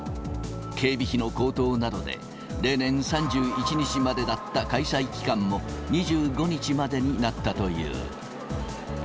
警備費の高騰などで、例年３１日までだった開催期間も２５日までになったという。